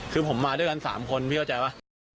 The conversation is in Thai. คือผมมาด้วยกัน๓คนพี่เข้าใจป่ะ